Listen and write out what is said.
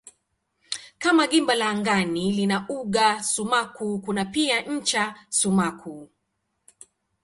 Kama gimba la angani lina uga sumaku kuna pia ncha sumaku.